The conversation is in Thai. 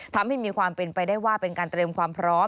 ทำให้มีความเป็นไปได้ว่าเป็นการเตรียมความพร้อม